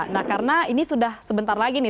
nah karena ini sudah sebentar lagi nih